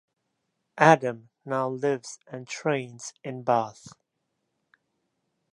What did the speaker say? Adam now lives and trains in Bath.